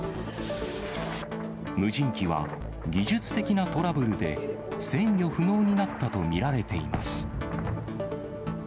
無人機は技術的なトラブルで、制御不能になったと見られています。